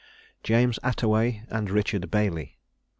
JAMES ATTAWAY AND RICHARD BAILEY.